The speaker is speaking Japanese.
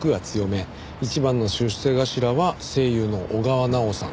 一番の出世頭は声優の小川奈央さん。